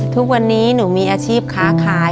ทุกวันนี้หนูมีอาชีพค้าขาย